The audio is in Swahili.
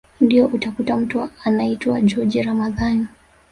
Ndio utakuta mtu anaitwa joji Ramadhani